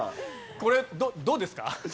これ、どうですか？